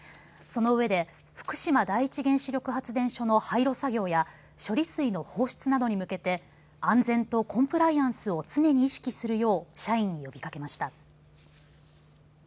そのうえで福島第一原子力発電所の廃炉作業や処理水の放出などに向けて安全とコンプライアンスを常に意識するよう社員に呼びかけました。